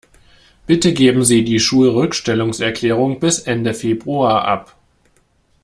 Bitte geben Sie die Schulrückstellungserklärung bis Ende Februar ab.